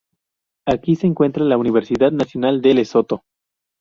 Aquí se encuentra la Universidad Nacional de Lesoto.